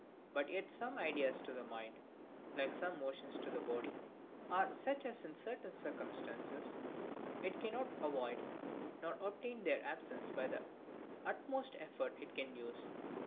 But yet some ideas to the mind, like some motions to the body, are such as in certain circumstances it cannot avoid, nor obtain their absence by the utmost effort it can use.